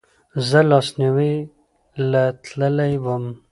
زه لاسنیوې له تلی وم